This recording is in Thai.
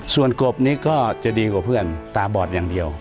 ส่วนกบนี้ก็จะดีกว่าเพื่อนตาบอดอย่างเดียว